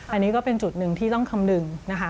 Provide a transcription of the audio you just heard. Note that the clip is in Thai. อันนี้ก็เป็นจุดหนึ่งที่ต้องคำนึงนะคะ